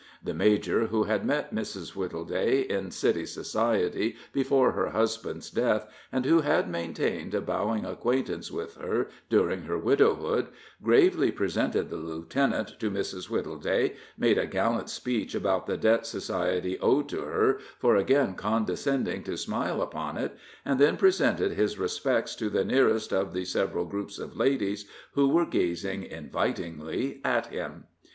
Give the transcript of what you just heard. The major, who had met Mrs. Wittleday in city society before her husband's death, and who had maintained a bowing acquaintance with her during her widowhood, gravely presented the lieutenant to Mrs. Wittleday, made a gallant speech about the debt society owed to her for again condescending to smile upon it, and then presented his respects to the nearest of the several groups of ladies who were gazing invitingly at him.